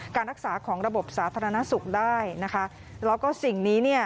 การรักษาของระบบสาธารณสุขได้แล้วก็สิ่งนี้